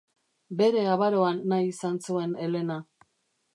Bere abaroan nahi izan zuen Helena.